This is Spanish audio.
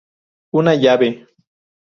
Una llave.